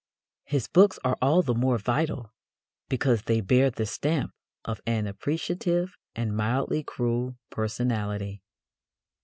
His books are all the more vital because they bear the stamp of an appreciative and mildly cruel personality.